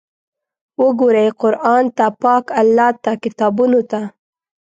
وګورئ قرآن ته، پاک الله ته، کتابونو ته!